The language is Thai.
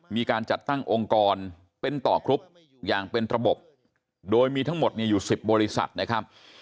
มีการจัดตั้งองค์กรเป็นต่อกรุ๊ปอย่างเป็นระบบโดยมีทั้งหมดอยู่๑๐บริษัทนะครับ